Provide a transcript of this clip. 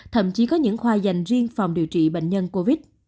thậm chí có những khoa dành riêng phòng điều trị bệnh nhân covid